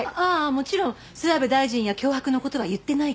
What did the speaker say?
もちろん諏訪部大臣や脅迫の事は言ってないから。